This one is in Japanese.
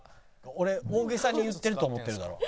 俺大げさに言ってると思ってるだろ。